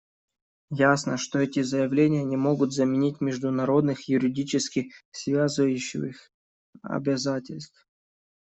Ясно, что эти заявления не могут заменить международных юридически связывающих обязательств.